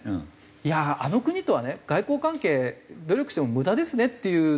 「いやあの国とはね外交関係努力しても無駄ですね」っていうのと。